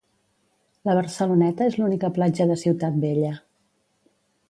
La Barceloneta és l'única platja de Ciutat Vella.